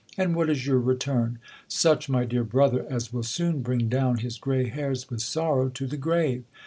And what is your return ! Such, my dear brother, as will soon bring down his grey hairs with son ow to the grave.